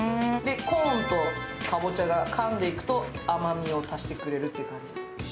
コーンとかぼちゃが、かんでいくと甘みを足してくれるって感じ。